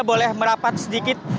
boleh merapat sedikit